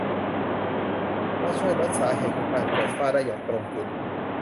และช่วยลดสาเหตุของการเกิดฝ้าได้อย่างตรงจุด